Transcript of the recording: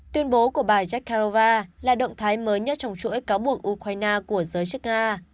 tuyên bố của bà jakarova là động thái mới nhất trong chuỗi cáo buộc ukraine của giới chức nga